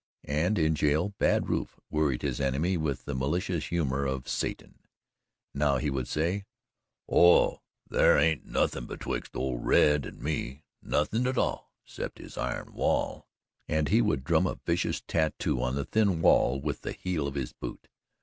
And in jail Bad Rufe worried his enemy with the malicious humour of Satan. Now he would say: "Oh, there ain't nothin' betwixt old Red and me, nothin' at all 'cept this iron wall," and he would drum a vicious tattoo on the thin wall with the heel of his boot.